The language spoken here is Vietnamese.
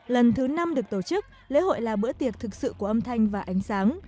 lần thứ năm được tổ chức lễ hội là bữa tiệc thực sự của âm thanh và ánh sáng